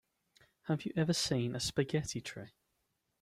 Have you ever seen a spaghetti tree?